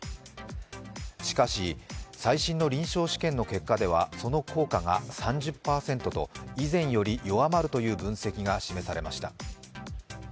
しかし、最新の臨床試験の結果ではその効果が３０％と以前より弱まるという分析が示されました。